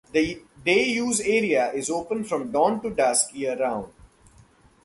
The day-use area is open from dawn to dusk year-round.